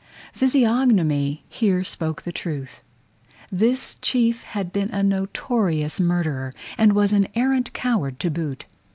Physiognomy here spoke the truth; this chief had been a notorious murderer, and was an arrant coward to boot.